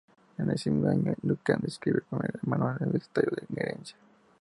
En ese mismo año, J. Duncan escribió el primer manual universitario de gerencia.